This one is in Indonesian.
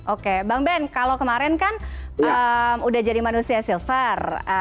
oke bang ben kalau kemarin kan udah jadi manusia silver